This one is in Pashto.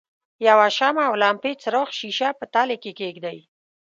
یوه شمع او لمپې څراغ ښيښه په تلې کې کیږدئ.